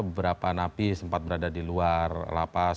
beberapa napi sempat berada di luar la paz